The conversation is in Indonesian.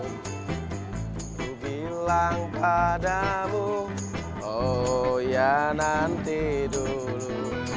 aku bilang padamu oh ya nanti dulu